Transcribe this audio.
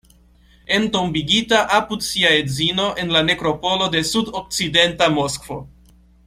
Entombigita apud sia edzino en la nekropolo de sud-okcidenta Moskvo.